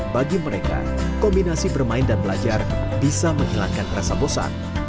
bagi mereka kombinasi bermain dan belajar bisa menghilangkan rasa bosan